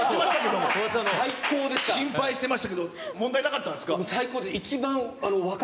心配してましたけど、問題な最高、いいんですか？